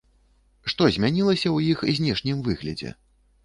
Што змянілася ў іх знешнім выглядзе?